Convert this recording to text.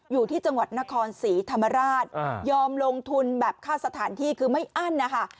อยู่ที่จังหวัดนครศรีธรรมราชยอมลงทุนแบบค่าสถานที่คือไม่อั้นนะคะ